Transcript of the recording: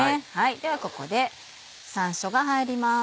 ではここで山椒が入ります。